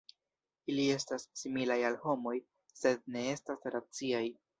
Ili estas similaj al homoj, sed ne estas raciaj.